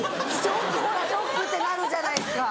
ほらショックってなるじゃないですか。